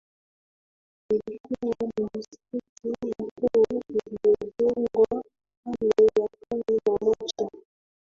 lilikuwa ni msikiti mkuu uliojengwa karne ya kumi na moja